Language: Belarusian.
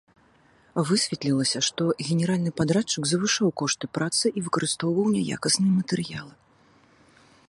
Высветлілася, што генеральны падрадчык завышаў кошты працы і выкарыстоўваў няякасныя матэрыялы.